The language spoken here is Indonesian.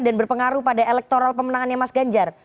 dan berpengaruh pada elektoral pemenangannya mas ganjar